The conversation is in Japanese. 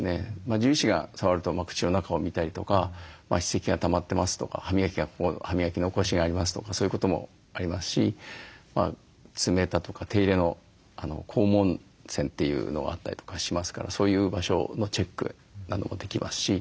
獣医師が触ると口の中を診たりとか歯石がたまってますとか歯磨き残しがありますとかそういうこともありますし爪だとか手入れの肛門腺というのがあったりとかしますからそういう場所のチェックなどもできますし。